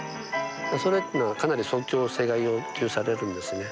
それっていうのはかなり即興性が要求されるんですね。